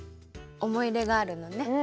おもいいれがあるのね。